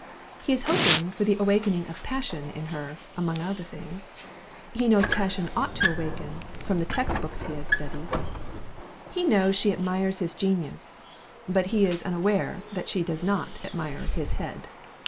He is hoping for the awakening of Passion in her, among other things. He knows Passion ought to awaken, from the text books he has studied. He knows she admires his genius, but he is unaware that she does not admire his head.